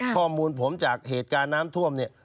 ข้อมูลผมจากเหตุการณ์น้ำท่วมเนี่ย